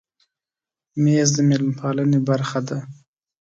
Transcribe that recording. مېز د مېلمه پالنې برخه ده.